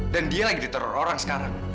dan dia lagi diterorong sekarang